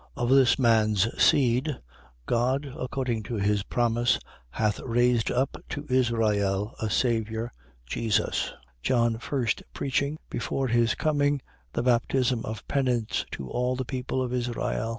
13:23. Of this man's seed, God, according to his promise, hath raised up to Israel a Saviour Jesus: 13:24. John first preaching, before his coming, the baptism of penance to all the people of Israel.